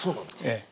ええ。